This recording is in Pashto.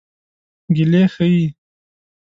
ګیلې ښيي.